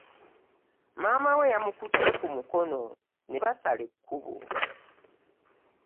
Maama we yamukutte ku mukono ne bassala ekubo.